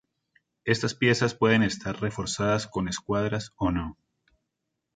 Estas piezas pueden estar reforzadas con escuadras o no.